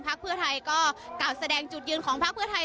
เพื่อไทยก็กล่าวแสดงจุดยืนของพักเพื่อไทย